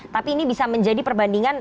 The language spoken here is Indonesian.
tapi ini bisa menjadi perbandingan